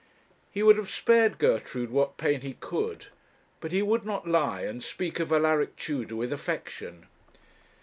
He would have spared Gertrude what pain he could; but he would not lie, and speak of Alaric Tudor with affection.